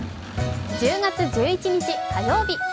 １０月１１日火曜日。